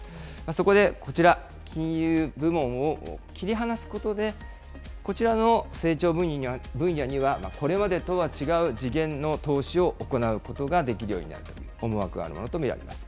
そこでこちら、金融部門を切り離すことで、こちらの成長分野には、これまでとは違う次元の投資を行うことができるようになるという思惑があるものと見られます。